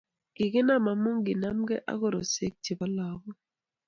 Kikinam amu kinamgei ak korosek che bo lagok.